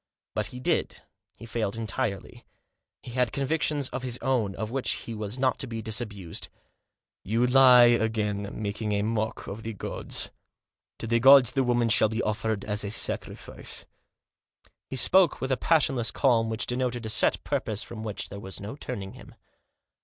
But he did, he failed entirely. He had convictions of his own, of which he was not to be disabused. " You lie again, making a mock of the gods. To the gods the woman shall be offered as a sacrifice." He spoke with a passionless calm which denoted a set purpose from which there was no turning him.